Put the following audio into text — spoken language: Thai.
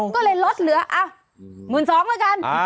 ก็เลยลดเหลืออ่ะ๑๒๐๐๐บาทละกัน